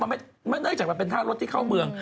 มันไม่ได้จากเป็นท่ารถที่เข้าเมือง